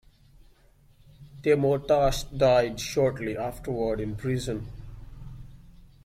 Teymourtash died shortly afterward in prison.